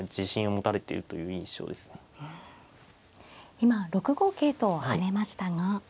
今６五桂と跳ねましたが。